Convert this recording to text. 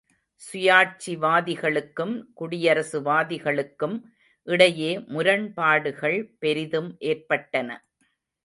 சுயாட்சிவாதிகளுக்கும், குடியரசுவாதிகளுக்கும் இடையே முரண்பாடுகள் பெரிதும் ஏற்பட்டன.